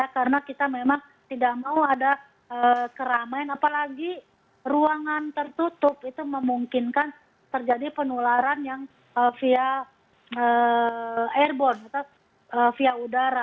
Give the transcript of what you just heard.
karena kita memang tidak mau ada keramain apalagi ruangan tertutup itu memungkinkan terjadi penularan yang via airborne atau via udara